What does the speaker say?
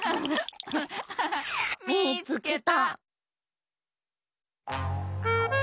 みいつけた！